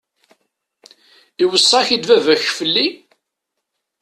Iweṣṣa-k-id baba-k fell-i?